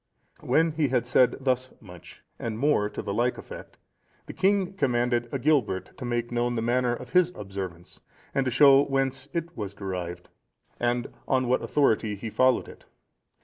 (468) When he had said thus much, and more to the like effect, the king commanded Agilbert to make known the manner of his observance and to show whence it was derived, and on what authority he followed it.